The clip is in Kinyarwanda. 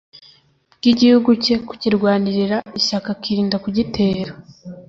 bw Igihugu ke kukirwanira ishyaka akirinda kugitera